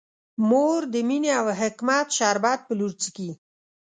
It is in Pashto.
مور د مینې او حکمت شربت په لور څښي.